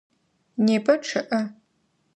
Непэ чъыӏэ.